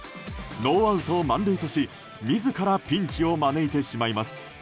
ノーアウト満塁とし、自らピンチを招いてしまいます。